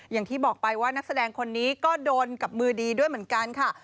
อย่างที่บอกไปว่านักแสดงคนนี้ก็โดนกับมือดีด้วยเหมือนกันค่ะ